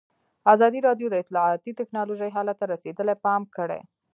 ازادي راډیو د اطلاعاتی تکنالوژي حالت ته رسېدلي پام کړی.